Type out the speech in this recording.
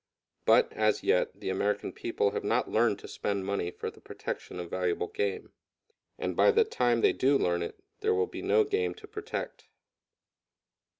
But, as yet, the American people have not learned to spend money for the protection of valuable game; and by the time they do learn it, there will be no game to protect.